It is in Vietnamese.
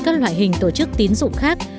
các loại hình tổ chức tiến dụng khác